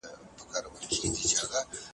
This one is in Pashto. ولور باید هېر نه سي.